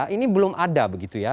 ini belum ada begitu ya